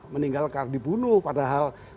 meninggalkan dibunuh padahal